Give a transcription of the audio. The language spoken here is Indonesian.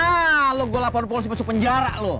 hah lu gua laporan polisi masuk penjara lu